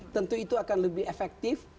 tentu itu akan lebih efektif